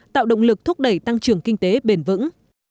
tạo động lực thúc đẩy tăng trưởng kinh tế bền vững